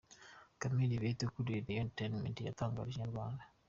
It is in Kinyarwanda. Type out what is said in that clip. Camille Yvette ukuriye Royal Entertainment yatangarije inyarwanda.